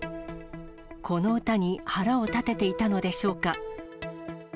この歌に腹を立てていたのでしょうか。